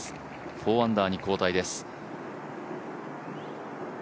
４アンダーに後退です。